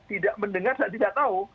tidak mendengar saya tidak tahu